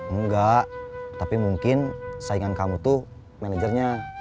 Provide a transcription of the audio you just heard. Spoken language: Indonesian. enggak tapi mungkin saingan kamu tuh manajernya